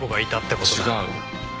違う。